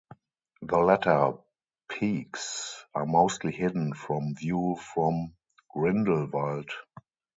The latter peaks are mostly hidden from view from Grindelwald.